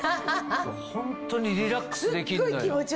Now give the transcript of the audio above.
ホントにリラックスできんのよ。